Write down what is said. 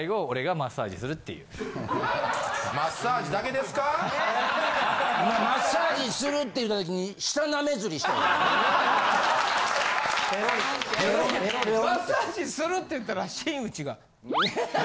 マッサージするって言ったら新内が。